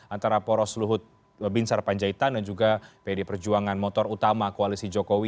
antara poros luhut binsar panjaitan dan juga pdi perjuangan motor utama koalisi jokowi